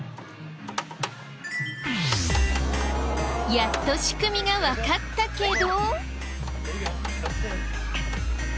やっと仕組みがわかったけど。